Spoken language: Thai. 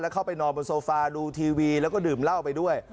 เข้าไปนอนบนโซฟาดูทีวีแล้วก็ดื่มเหล้าไปด้วย